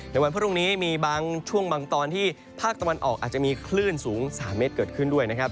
วันพรุ่งนี้มีบางช่วงบางตอนที่ภาคตะวันออกอาจจะมีคลื่นสูง๓เมตรเกิดขึ้นด้วยนะครับ